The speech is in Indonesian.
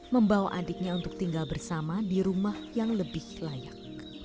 membawa adiknya untuk tinggal bersama di rumah yang lebih layak